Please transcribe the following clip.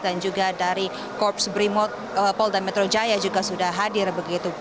dan juga dari korps brimot pol dan metro jaya juga sudah hadir begitu